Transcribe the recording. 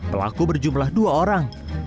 pelaku berjumlah dua orang